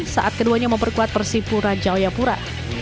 saat keduanya memperkuat persipura jawa yapura